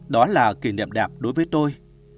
đó là kỷ niệm đẹp đối với tôi